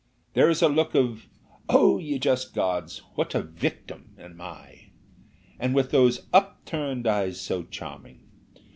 There is a look of 'Oh, ye just gods! what a victim am I!' and with those upturned eyes so charming!